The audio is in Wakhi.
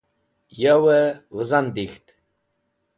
Yowey Wizan Dik̃ht